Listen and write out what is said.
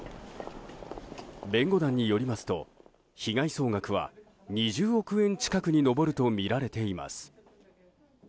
弁護団によりますと被害総額は２０億円近くに上るとみられています。